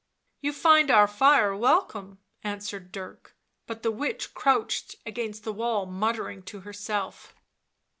" You find our fire welcome," answered Dirk, but the • witch crouched against the wall, muttering to herself.